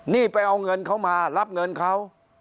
นี่ไปเอาเงินเขามารับเงินเขา